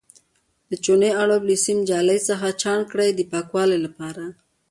د چونې اړوب له سیم جالۍ څخه چاڼ کړئ د پاکوالي لپاره.